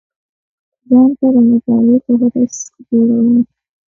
ځان ته د مطالعې فهرست جوړول